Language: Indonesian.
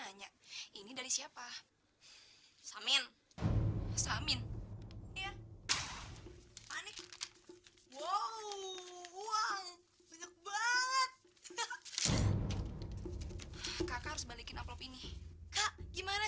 nanya ini dari siapa samin samin wow uang banyak banget harus balikin aplop ini gimana